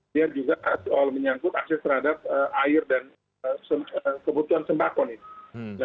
biar juga asal asal menyangkut akses terhadap air dan kebutuhan sembako nih